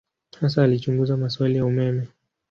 Hasa alichunguza maswali ya umeme.